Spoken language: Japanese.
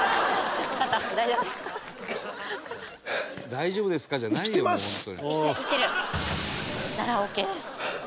「大丈夫ですか？じゃないよもうホントに」ならオッケーです。